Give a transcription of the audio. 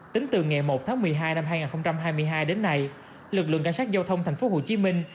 tính từ ngày một tháng một mươi hai năm hai nghìn hai mươi hai đến nay lực lượng cảnh sát giao thông thành phố hồ chí minh